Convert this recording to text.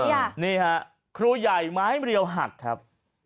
วิธีครับครูใหญ่ไม้มรีวหักครับ